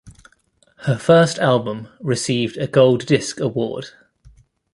Her first album received a Gold Disc Award.